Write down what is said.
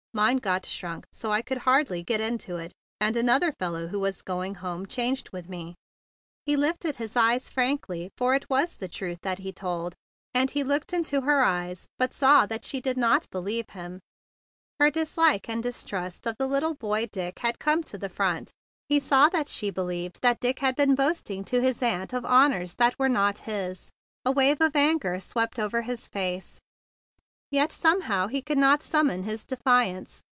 "Mine got shrunk so I could hardly get into it, and an¬ other fellow who was going home changed with me." He lifted his eyes frankly, for it was THE BIG BLUE SOLDIER 49 the truth that he told, and he looked into her eyes, but saw that she did not believe him. Her dislike and distrust of the little boy Dick had come to the front. He saw that she believed that Dick had been boasting to his aunt of honors that were not his. A wave of anger swept over his face; yet somehow he could not summon his defiance.